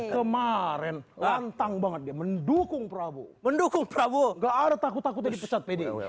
kemarin lantang banget mendukung prabowo mendukung prabowo takut takut